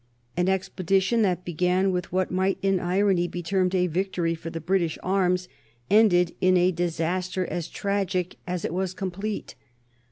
An expedition that began with what might in irony be termed a victory for the British arms ended in a disaster as tragic as it was complete.